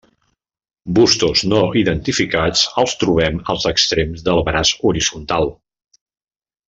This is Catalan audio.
Bustos no identificats els trobem als extrems del braç horitzontal.